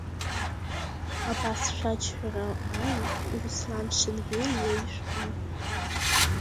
Абас шәаџьҳәара ауит Руслан Шенгелиа ишәҟәы.